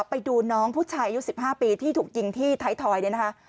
ไปดูน้องผู้ชายยุค๑๕ปีที่ถูกยิงที่ไทยทอยด์